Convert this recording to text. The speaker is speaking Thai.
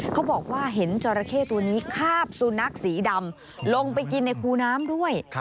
เขาบอกว่าเห็นจราเข้ตัวนี้คาบสุนัขสีดำลงไปกินในคูน้ำด้วย